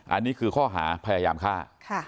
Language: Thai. อันนี้คือข้อหาพยายามฆ่า